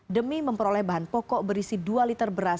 demi memperoleh bahan pokok berisi dua liter beras